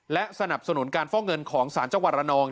และสนับสนุนการฟอกเงินของสารจังหวัดระนอง